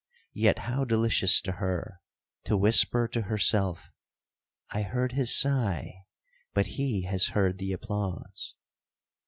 Yet how delicious to her to whisper to herself, 'I heard his sigh, but he has heard the applause!'